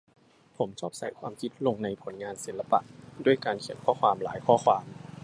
ผมชอบใส่ความคิดลงในผลงานศิลปะ ด้วยการเขียนข้อความหลายข้อความ